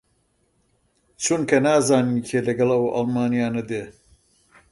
چونکە نازانین کێ لەگەڵ ئەو ئاڵمانییانە دێ